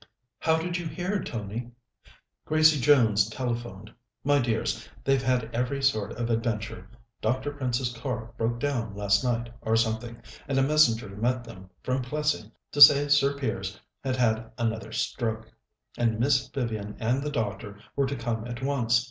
"How did you hear, Tony?" "Gracie Jones telephoned. My dears, they've had every sort of adventure. Dr. Prince's car broke down last night, or something, and a messenger met them from Plessing to say Sir Piers had had another stroke, and Miss Vivian and the doctor were to come at once.